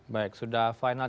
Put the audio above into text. baik sudah final